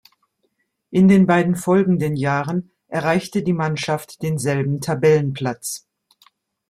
In den beiden folgenden Jahren erreichte die Mannschaft denselben Tabellenplatz.